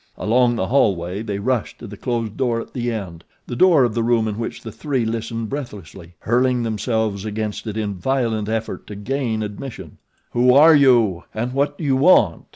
Along the hallway they rushed to the closed door at the end the door of the room in which the three listened breathlessly hurling themselves against it in violent effort to gain admission. "Who are you and what do you want?"